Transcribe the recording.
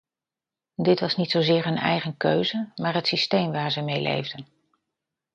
Dit was niet zozeer hun eigen keuze, maar het systeem waar ze mee leefden.